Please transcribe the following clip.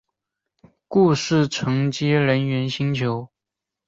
故事承接人猿星球。